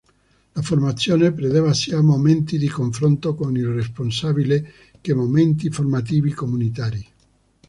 La formazione prevede sia momenti di confronto con il responsabile che momenti formativi comunitari.